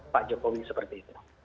pak jokowi seperti itu